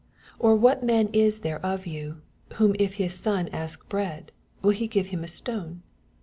9 Or what man is there of yon, whom if his son ask bread, wiii he giyehimastone?